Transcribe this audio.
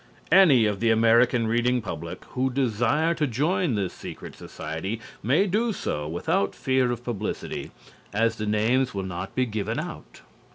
Any of the American reading public who desire to join this secret society may do so without fear of publicity, as the names will not be given out.